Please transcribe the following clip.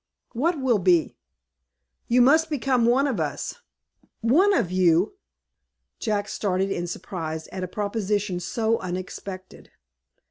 "What will be?" "You must become one of us." "One of you!" Jack started in surprise at a proposition so unexpected.